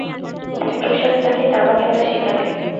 বিপ্রদাস তাকে দাবাখেলা শেখালে।